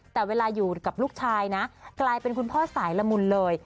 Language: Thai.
แต่เวลาอยู่กับลูกชายนะกลายเป็นคุณพ่อสายละมุนเลย